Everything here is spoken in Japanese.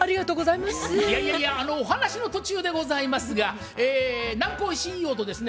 いやいやいやお話の途中でございますが南光ＣＥＯとですね